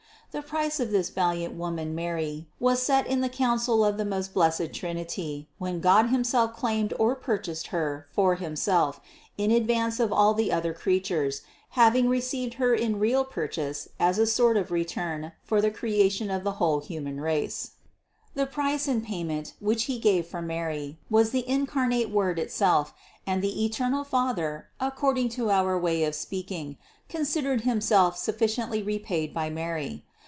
The price of this valiant woman Mary was set in the council of the most blessed Trinity, when God himself claimed or purchased Her for Himself in advance of all the other creatures, having received Her in real purchase as a sort of return for the creation of the whole human nature. The price and payment, which He gave for Mary, was the incarnate Word itself and the eternal Father (ac cording to our way of speaking) considered Himself sufficiently repaid by Mary.